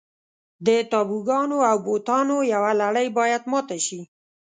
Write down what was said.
د تابوګانو او بوتانو یوه لړۍ باید ماته شي.